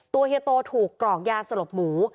เฮียโตถูกกรอกยาสลบหมู